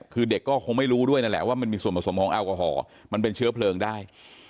คือเด็กก็คงไม่รู้ด้วยนั่นแหละว่ามันมีส่วนผสมของแอลกอฮอลมันเป็นเชื้อเพลิงได้